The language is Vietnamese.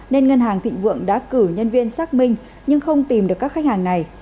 nên ngân hàng thịnh vượng đã cử nhân viên xác minh nhưng không tìm được các khách hàng này